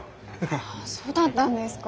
ああそうだったんですか。